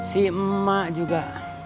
si emak juga